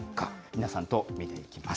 皆さんと見ていきます。